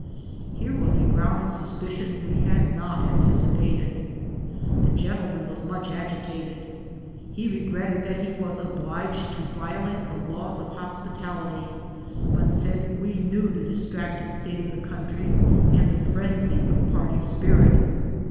Here was a ground of suspicion we had not anticipated. The gentleman was much agitated ; he regretted that he was obliged to violate the laws of hospitality, but said we knew the distracted state of the country, and the phren sy of party spirit.